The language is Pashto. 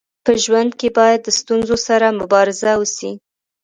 په ژوند کي باید د ستونزو سره مبارزه وسي.